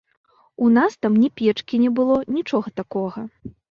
У нас там ні печкі не было, нічога такога.